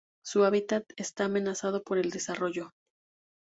Su hábitat está amenazado por el desarrollo.